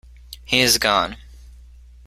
He is gone.